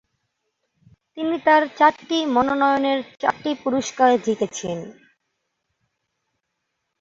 তিনি তার চারটি মনোনয়নের চারটি পুরস্কার জিতেছেন।